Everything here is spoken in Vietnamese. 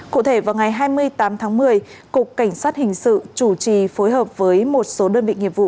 cụ thể vào ngày hai mươi tám tháng một mươi cục cảnh sát hình sự chủ trì phối hợp với một số đơn vị nghiệp vụ